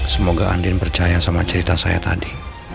semoga andin percaya sama cerita saya tadi